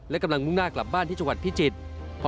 และกำลังมุ่งหน้ากลับบ้านที่จังหวัดพิจิตร